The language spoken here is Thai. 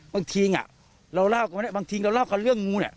บางทีเราเล่ากันบางทีเราเล่าเรื่องงู